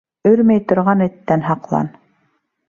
Өрмәй торған эттән һаҡлан.